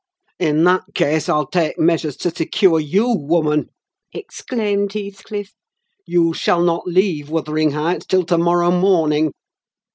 "In that case I'll take measures to secure you, woman!" exclaimed Heathcliff; "you shall not leave Wuthering Heights till to morrow morning.